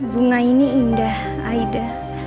bunga ini indah aida